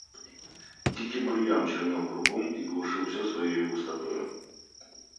Дикий бурьян чернел кругом и глушил всё своею густотою.